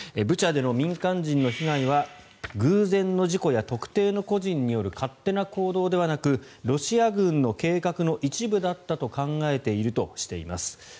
ブチャでの民間人の被害は偶然の事故や特定の個人による勝手な行動ではなくロシア軍の計画の一部だったと考えているとしています。